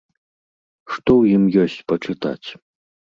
Што ў ім ёсць пачытаць?